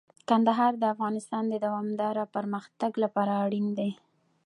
کندهار د افغانستان د دوامداره پرمختګ لپاره اړین دي.